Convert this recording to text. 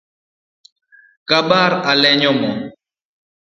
Kabar olenyo moo